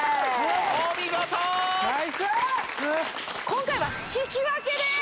今回は引き分けです！